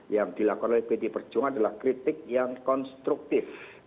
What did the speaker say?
yang dilakukan oleh pdi perjuangan adalah kritik yang konstruktif